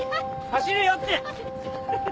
走るよって！